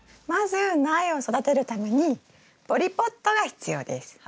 まず苗を育てるためにポリポットが必要です。